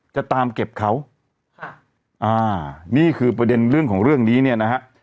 จะตามเก็บเขาค่ะอ่านี่คือประเด็นเรื่องของเรื่องนี้เนี่ยนะฮะ